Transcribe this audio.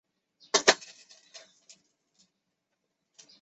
又表示不回应会否引咎辞职。